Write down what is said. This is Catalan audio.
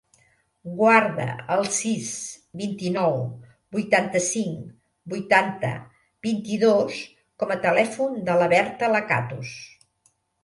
Guarda el sis, vint-i-nou, vuitanta-cinc, vuitanta, vint-i-dos com a telèfon de la Berta Lacatus.